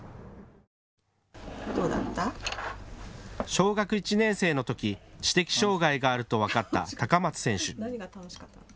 小学１年生のとき知的障害があると分かった高松選手。